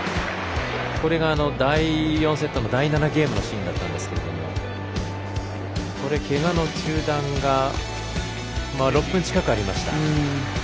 これが第４セットの第７ゲームのシーンなんですけどけがの中断が６分近くありました。